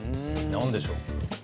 何でしょう？